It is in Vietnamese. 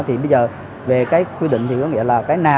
thì bây giờ về cái quy định thì có nghĩa là